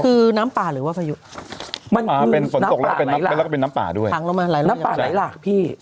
หรือน้ำปลาหรือว่ามันคือน้ำปลาไหนละหังลงมาน้ำปลาไหนละพี่